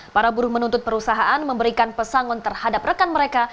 para buruh menuntut perusahaan memberikan pesangon terhadap rekan mereka